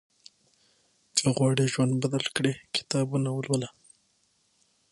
که غواړې ژوند بدل کړې، کتابونه ولوله.